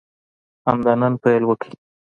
همدا نن پیل وکړئ.